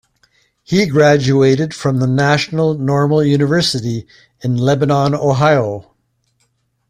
He graduated from the National Normal University in Lebanon, Ohio.